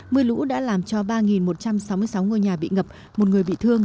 mưa lũ đã làm cho ba một trăm sáu mươi sáu ngôi nhà bị ngập một người bị thương